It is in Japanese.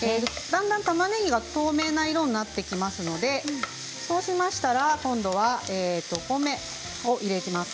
たまねぎが透明な色になってきますのでそうしましたらお米を入れます。